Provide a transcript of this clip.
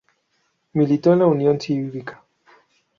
Militó en la Unión Cívica.